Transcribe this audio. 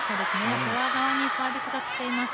フォア側にサービスが来ています。